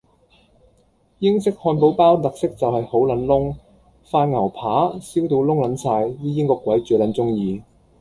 英式漢堡包特色就係好撚燶，塊牛扒燒到燶撚晒啲英國鬼最撚鍾意